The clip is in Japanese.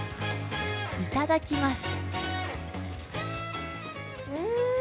いただきます。